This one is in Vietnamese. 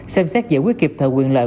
xem xét giải quyết kịp thời quyền lợi